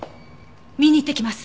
見に行ってきます！